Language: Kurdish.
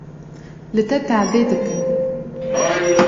li te tehdê dikin